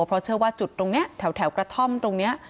เพราะเชื่อว่าจุดตรงนี้แถวกระท่อมตรงนี้